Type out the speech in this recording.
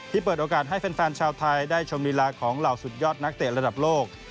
เปิดโอกาสให้แฟนชาวไทยได้ชมลีลาของเหล่าสุดยอดนักเตะระดับโลก